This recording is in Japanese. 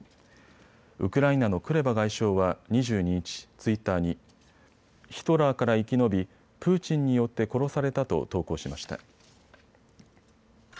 ウクライナのクレバ外相は２２日、ツイッターにヒトラーから生き延び、プーチンによって殺されたと投稿しました。